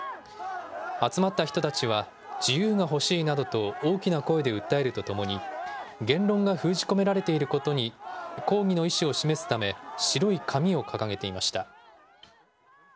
集まった人たちは、自由がほしいなどと大きな声で訴えるとともに、言論が封じ込められていることに、抗議の意思を示すため、白い紙を掲げていました。